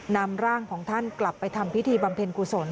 นำร่างของท่านกลับไปทำพิธีบำเพ็ญกุศล